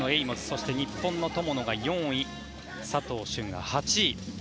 そして日本の友野が４位佐藤駿が８位。